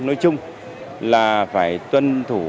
nói chung là phải tuân thủ